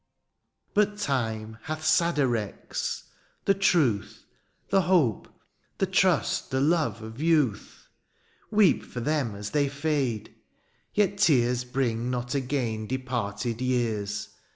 " But time hath sadder wrecks ; the truth, ^' The hope, the trust, the love of youth ;^' Weep for them as they fade ; yet tears '' Bring not again departed years.